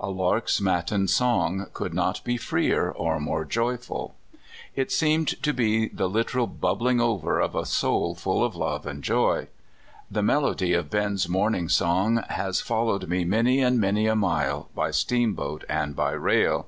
A lark's matin song could not be freer or more joy ful. It seemed to be the literal bubbling over of a soul full of love and joy. The melody of Ben's morning song has followed me many and many a mile, by steamboat and by rail.